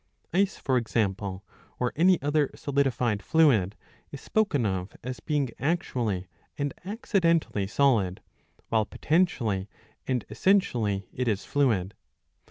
Ice for example, or any other solidified fluid, is spoken of as being actually and accidentally solid, while potentially and essentially it is fluid.